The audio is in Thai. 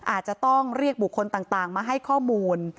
อาจจะต้องเรียกบุคคลต่างมาให้ข้อมูล